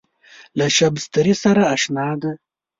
له شبستري سره اشنا دی.